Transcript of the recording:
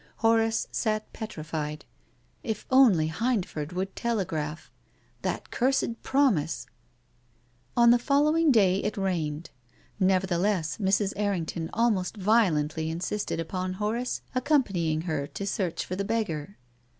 Horace sat petrified. THE LADY AND THE BEGGAR. 367 If only Hindford would telegraph ! That cursed promise ! On the following day it rained. Nevertheless, Mrs. Errington almost violently insisted upon Horace accompanying her to search for the beggar.